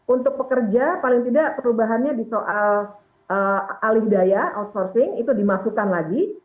untuk pekerja paling tidak perubahannya di soal alih daya outsourcing itu dimasukkan lagi